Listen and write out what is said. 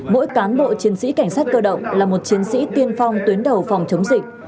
mỗi cán bộ chiến sĩ cảnh sát cơ động là một chiến sĩ tiên phong tuyến đầu phòng chống dịch